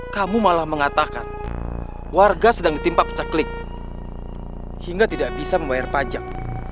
kamu malah mengatakan warga sedang ditimpa pecaklik hingga tidak bisa membayar pajak